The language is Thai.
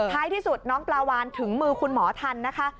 ที่สุดน้องปลาวานถึงมือคุณหมอทันนะคะ